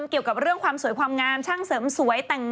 เกี่ยวกับเรื่องความสวยความงามช่างเสริมสวย